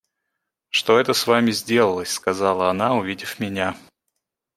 «Что это с вами сделалось? – сказала она, увидев меня.